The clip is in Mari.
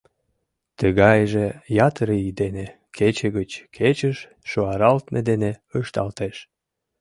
Тыгайже ятыр ий дене, кече гыч кечыш шуаралтме дене ышталтеш.